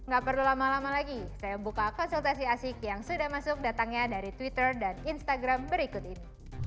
gak perlu lama lama lagi saya buka konsultasi asik yang sudah masuk datangnya dari twitter dan instagram berikut ini